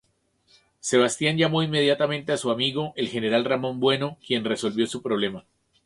Sebastián llamó inmediatamente a su amigo, el General Ramón Bueno, quien resolvió su problema.